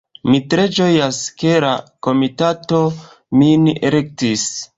Mi tre ĝojas, ke la komitato min elektis.